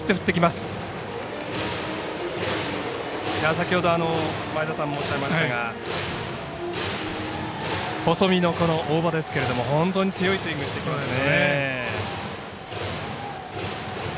先ほど前田さんもおっしゃいましたが細身の大場ですけども本当に強いスイングしてきますね。